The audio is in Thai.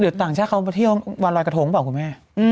หรือต่างชาติเขาจะมาเที่ยววาลอย์กระโทงเปล่าครับพี่แม่